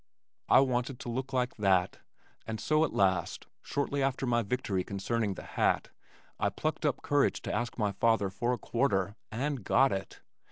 I wanted to look like that, and so at last, shortly after my victory concerning the hat, I plucked up courage to ask my father for a quarter and got it!